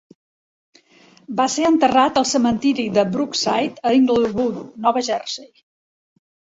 Va ser enterrat al cementiri de Brookside a Englewood, Nova Jersey.